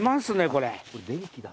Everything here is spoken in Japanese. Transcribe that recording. これ電気だ。